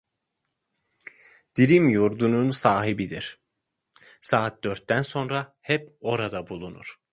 Dirim Yurdu'nun sahibidir, saat dörtten sonra hep orada bulunur.